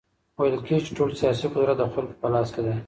ويل کېږي چي ټول سياسي قدرت د خلګو په لاس کي دی.